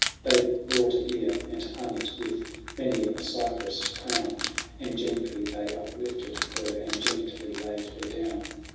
They brought a bier, and hung it with many a cypress crown, . And gently they uplifted her, and gently laid her down.